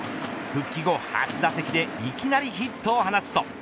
復帰後初打席でいきなりヒットを放つと。